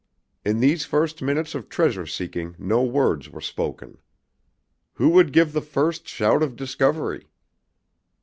In these first minutes of treasure seeking no words were spoken. Who would give the first shout of discovery?